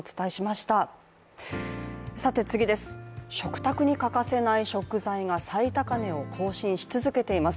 食卓に欠かせない食材が最高値を更新し続けています。